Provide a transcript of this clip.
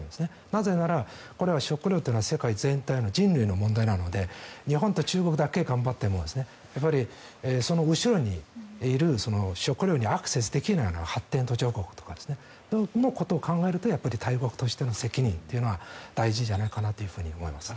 なぜなら食料というのは世界全体の人類の問題なので日本と中国だけ頑張ってもやっぱりその後ろにいる食料にアクセスできない発展途上国などのことを考えるとやっぱり大国としての責任というのは大事じゃないかと思います。